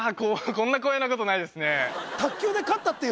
こんな光栄なことないですね